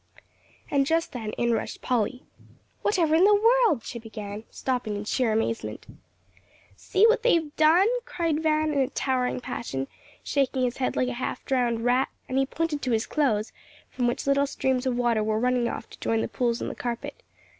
And just then in rushed Polly. "Whatever in the world " she began, stopping in sheer amazement. "See what they've done," cried Van, in a towering passion, shaking his head like a half drowned rat, and he pointed to his clothes, from which little streams of water were running off to join the pools on the carpet.